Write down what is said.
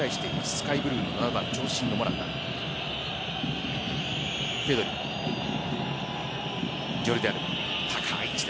スカイブルーの７番長身のモラタ。